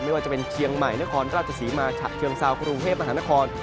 ไม่ว่าจะเป็นเชียงใหม่นครราชศรีมาชัดเชียงเศร้ากรุงเภพอาทางนคร